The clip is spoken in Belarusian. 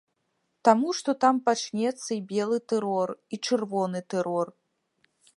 Таму што там пачнецца і белы тэрор, і чырвоны тэрор.